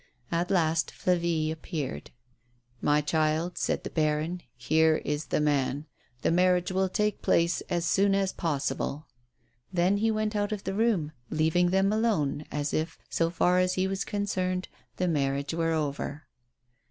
At last Flavie appeared. " My child," said the baron, " here is the man. The marriage will take place as soon as possible." Then he went out of the room, leaving them alone, as if, so far as he was concerned, the marriage were over.